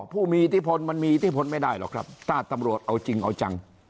ผู้มีอิทธิพลมันมีอิทธิพลไม่ได้หรอกครับถ้าตำรวจเอาจริงเอาจัง